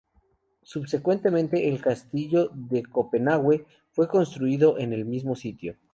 Subsecuentemente, el Castillo de Copenhague fue construido en el mismo sitio.